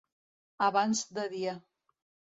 Abans de dia.